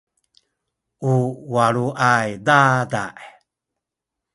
u walay dada’